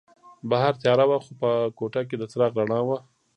بهر تیاره وه خو په کوټه کې د څراغ رڼا وه.